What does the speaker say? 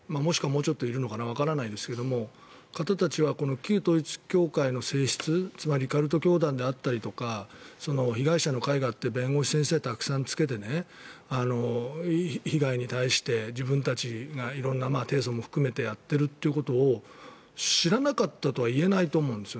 もうちょっといるのかわからないですがこの旧統一教会の性質つまりカルト教団であったりとか被害者の会があって弁護士先生をたくさんつけて被害に対して自分たちが色んな提訴を含めてやっているということを知らなかったとは言えないと思うんです。